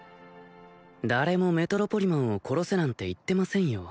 誰もメトロポリマンを殺せなんて言ってませんよ